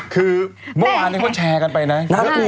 คือโมงอาร์เนี่ยเขาแชร์กันไปนะน่ากลัว